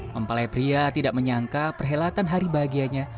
mempelai pria tidak menyangka perhelatan hari bahagianya